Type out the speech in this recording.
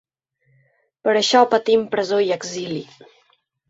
Per això patim presó i exili.